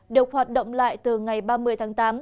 được hoạt động lại từ ngày ba mươi tháng tám